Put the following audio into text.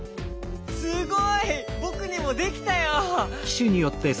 すごい！ぼくにもできたよ！